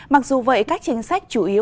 mặc dù vậy các chính sách chủ yếu